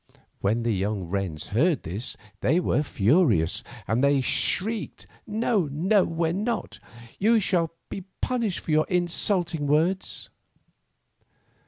When the young wrens heard this they were furious, and they shrieked: "No, no! we are not. You shall be punished for your insulting words."